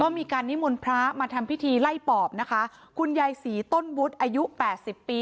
มีการนิมนต์พระมาทำพิธีไล่ปอบนะคะคุณยายศรีต้นวุฒิอายุแปดสิบปี